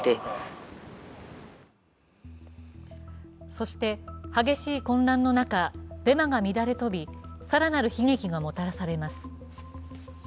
そして激しい混乱の中、デマが乱れ飛び更なる悲劇がもたらされます。